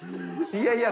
いやいや。